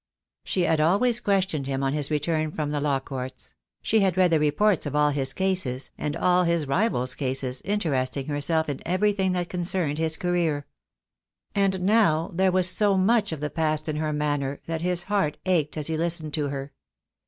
She had always questioned him on his return from the law courts: she had read the reports of all his cases, and all his rivals' cases, interesting herself in everything that concerned his career. And now there was so much of the past in her manner that his heart ached as he listened to her.